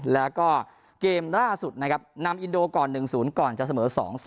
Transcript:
แล้วก็เกมล่าสุดนะครับนำอินโดก่อน๑๐ก่อนจะเสมอ๒๐